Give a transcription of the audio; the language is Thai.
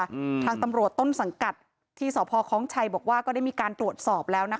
อืมทางตำรวจต้นสังกัดที่สพคล้องชัยบอกว่าก็ได้มีการตรวจสอบแล้วนะคะ